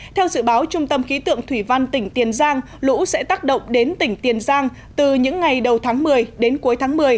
theo dự báo trung tâm khí tượng thủy văn tỉnh tiền giang lũ sẽ tác động đến tỉnh tiền giang từ những ngày đầu tháng một mươi đến cuối tháng một mươi